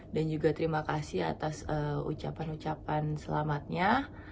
dan juga terima kasih atas ucapan ucapan selamatnya